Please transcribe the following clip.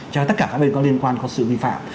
cho tất cả các bên có liên quan có sự vi phạm